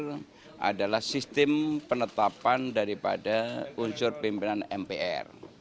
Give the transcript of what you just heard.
yang terakhir adalah sistem penetapan daripada unsur pimpinan mpr